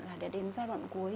là đã đến giai đoạn cuối